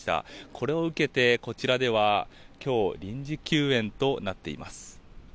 これを受けてこちらでは今日、臨時休園となっています。